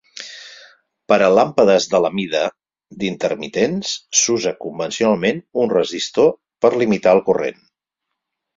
Per a làmpades de la mida d'intermitents, s'usa convencionalment un resistor per limitar el corrent.